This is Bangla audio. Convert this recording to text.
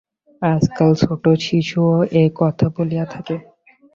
আজকাল ছোট শিশুও এ-কথা বলিয়া থাকে।